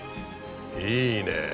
いいね。